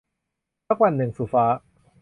สักวันหนึ่ง - สุฟ้า